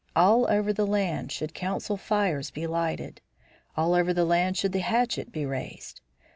All over the land should council fires be lighted. All over the land should the hatchet be raised.